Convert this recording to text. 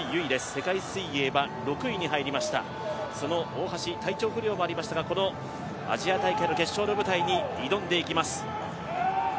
世界水泳は６位に入りました、その大橋、体調不良もありましたがこのアジア大会の決勝の舞台に挑んでいきます。